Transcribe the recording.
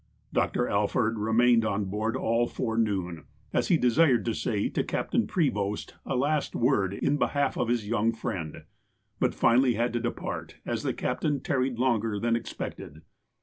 Dr. Alford remained on board all forenoon, as he desired to say to Captain Prevost a last word in behalf of his young friend, but finally had to depart, as the captain tarried longer than expected.